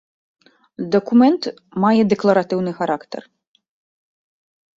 Дакумент мае дэкларатыўны характар.